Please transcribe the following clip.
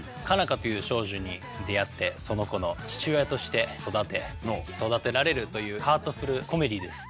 花という少女に出会ってその子の父親として育て育てられるというハートフルコメディーです。